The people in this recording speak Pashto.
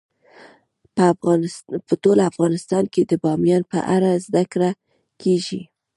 په ټول افغانستان کې د بامیان په اړه زده کړه کېږي.